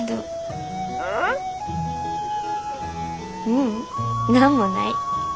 ううん何もない。